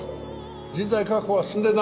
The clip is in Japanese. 人材確保は進んでるな？